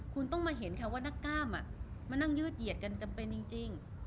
คุณต้องมาเห็นค่ะว่านักกล้ามมานั่งยืดเหยียดกันจำเป็นจริง